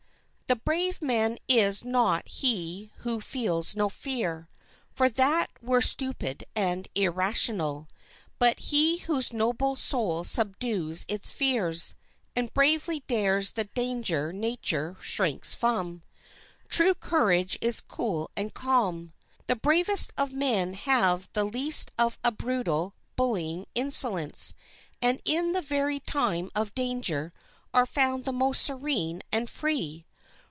The brave man is not he who feels no fear—for that were stupid and irrational—but he whose noble soul subdues its fears, and bravely dares the danger nature shrinks from. True courage is cool and calm. The bravest of men have the least of a brutal, bullying insolence, and in the very time of danger are found the most serene and free.